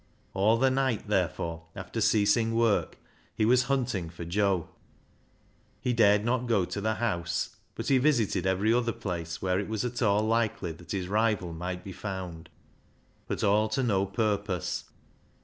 All the night, therefore, after ceasing work, he was hunting for Joe. He dared not go to the house, but he visited every other place where it was at all likely that his rival might be found, but all to no purpose.